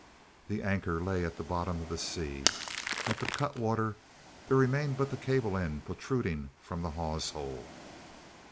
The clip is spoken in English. The anchor lay at the bottom of the sea. At the cutwater there remained but the cable end protruding from the hawse hole.